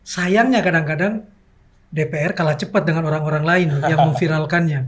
sayangnya kadang kadang dpr kalah cepat dengan orang orang lain yang memviralkannya